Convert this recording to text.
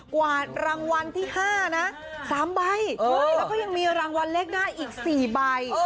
กวาดรางวัลที่๕นะ๓ใบแล้วก็ยังมีรางวัลเลขหน้าอีก๔ใบ